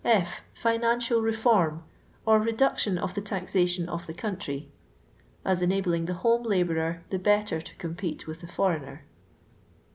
F. "Financial r^orm" or reduction cf ike iaxaiion of the country; as enabling the home labourer the better to compete with the foreigner.